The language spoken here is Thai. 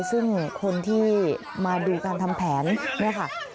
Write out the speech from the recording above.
ซึ่งคนที่มาดูการทำแผนเนี่ยค่ะ